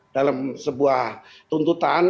dalam sebuah tuntutan